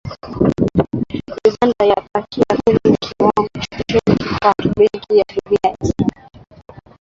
"Uganda yabakia kwenye kiwango cha chini kipato'', Benki ya Dunia yasema